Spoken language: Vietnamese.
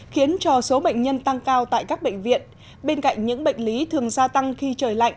khiến cho số bệnh nhân tăng cao tại các bệnh viện bên cạnh những bệnh lý thường gia tăng khi trời lạnh